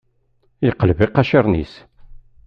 Yeqleb iqaciren-is.